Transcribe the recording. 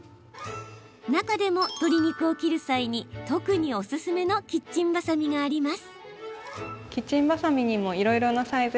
中でも、鶏肉を切る際に特におすすめのキッチンバサミがあります。